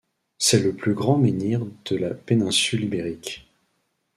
C'est le plus grand menhir de la péninsule Ibérique.